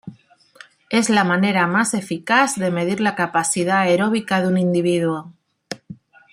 Es la manera más eficaz de medir la capacidad aeróbica de un individuo.